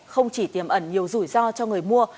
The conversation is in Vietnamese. không chỉ tiềm ẩn nhiều rủi ro cho người mua